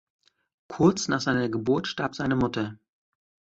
Kurz nach seiner Geburt starb seine Mutter.